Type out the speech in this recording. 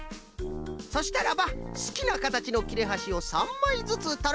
そしたらばすきなかたちのきれはしを３まいずつとるんじゃ。